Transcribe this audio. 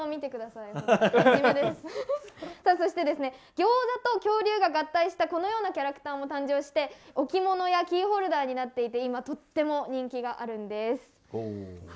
さらに、餃子と恐竜が合体したこのようなキャラクターも誕生して置物やキーホルダーになっていて今、とても人気なんです。